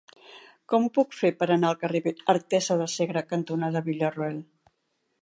Com ho puc fer per anar al carrer Artesa de Segre cantonada Villarroel?